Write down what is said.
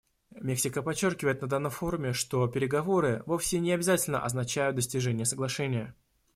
Мексика подчеркивает на данном форуме, что переговоры вовсе не обязательно означают достижение соглашения.